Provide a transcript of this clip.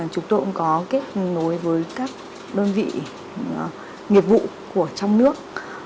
chúng tôi cũng có kết nối với các đơn vị nghiệp vụ của trong nước